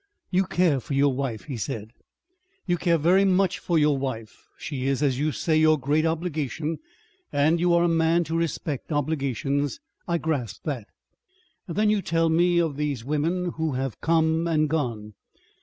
"You care for your wife," he said. "You care very much for your wife. She is, as you say, your great obligation and you are a man to respect obligations. I grasp that. Then you tell me of these women who have come and gone....